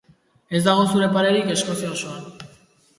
Ez dago zure parerik Eskozia osoan.